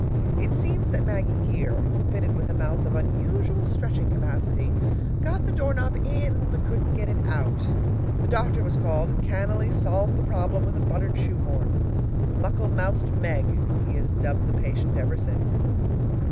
It seems that Maggie Geer, fitted with a mouth of unusual stretching capacity, got the doorknob in, but couldn't get it out. The doctor was called, and cannily solved the problem with a buttered shoe horn. "Muckle mouthed Meg," he has dubbed the patient ever since.